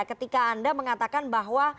ketika anda mengatakan bahwa